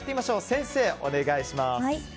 先生、お願いします。